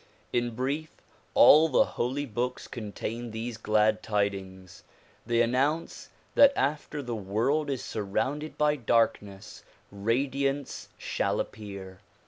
In brief, all the holy books contain these glad tidings. They an nounce that after the world is surrounded by darkness, radiance shall appear.